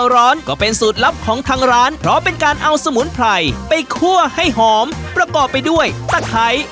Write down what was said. เราจำเป็นไหมนะคะพี่แอ๋วที่แบบว่า